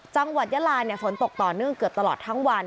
ยาลาฝนตกต่อเนื่องเกือบตลอดทั้งวัน